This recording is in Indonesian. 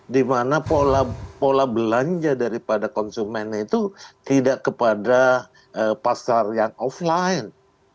dimana pola belanja daripada konsumen itu tidak kepada pasar yang offline